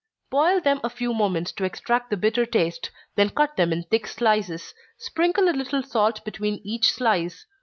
_ Boil them a few moments to extract the bitter taste then cut them in thick slices; sprinkle a little salt between each slice.